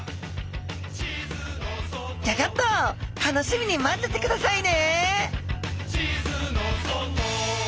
ギョギョッと楽しみにまっててくださいね！